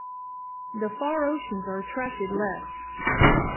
The far oceans are attracted less.